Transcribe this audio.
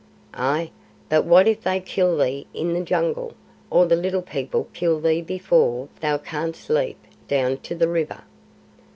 "Ay, but what if they kill thee in the Jungle, or the Little People kill thee before thou canst leap down to the river?"